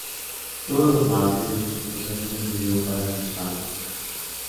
Todos los martes, los chicos hacen un video para sus fanes.